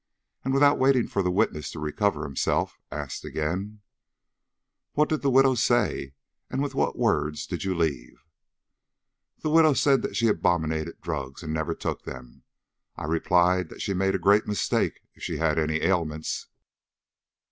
And without waiting for the witness to recover himself, asked again: "What did the widow say, and with what words did you leave?" "The widow said she abominated drugs, and never took them. I replied that she made a great mistake, if she had any ailments.